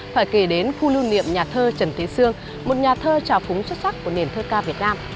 phải kể đến khu lưu niệm nhà thơ trần thế sương một nhà thơ trào phúng xuất sắc của nền thơ ca việt nam